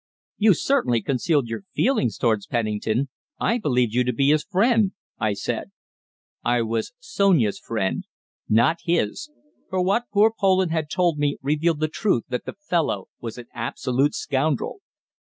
"You certainly concealed your feelings towards Pennington. I believed you to be his friend," I said. "I was Sonia's friend not his, for what poor Poland had told me revealed the truth that the fellow was an absolute scoundrel."